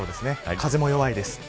風も弱いです。